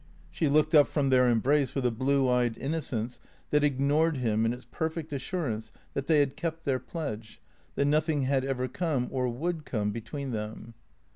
She looked up from their embrace with a blue eyed innocence that ignored him in its perfect assurance that they had kept their pledge, that noth ing had ever come or would come between them.